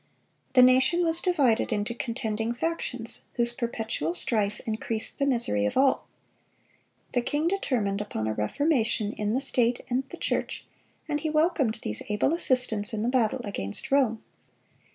The nation was divided into contending factions, whose perpetual strife increased the misery of all. The king determined upon a reformation in the state and the church, and he welcomed these able assistants in the battle against Rome.